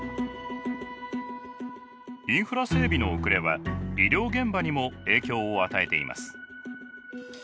インフラ整備の遅れは医療現場にも影響を与えています。